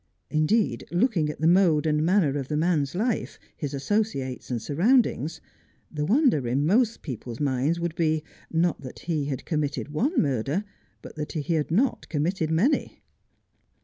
Indeed, looking at the mode and manner of the man's life, his associates and surroundings, the wonder in most people's minds would be, not that he had committed one murder, but that he had not committed many.